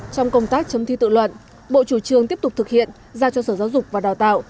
trong công tác chấm thi tự luận bộ chủ trương tiếp tục thực hiện ra cho sở giáo dục và đào tạo